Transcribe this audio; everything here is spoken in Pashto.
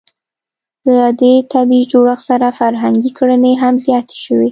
له دې طبیعي جوړښت سره فرهنګي کړنې هم زیاتې شوې.